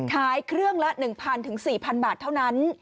ขายเครื่องละ๑๐๐๔๐๐บาทเท่านั้น